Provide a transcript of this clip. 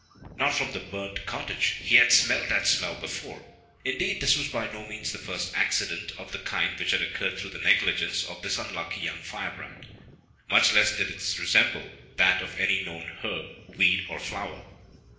not from the burnt cottage he had smelled that smell before indeed this was by no means the first accident of the kind which had occurred through the negligence of this unlucky young firebrand. Much less did it resemble that of any known herb, weed, or flower.